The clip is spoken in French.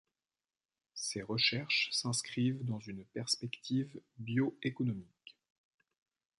Ses recherches s'inscrivent dans une perspective bioéconomique.